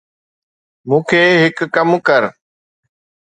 مون کي هڪ ڪم ڪر